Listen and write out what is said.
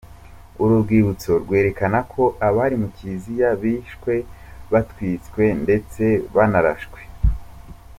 Uru rwibutso rwerekana ko abari mu kiliziya bishwe batwitswe ndetse banarashwe.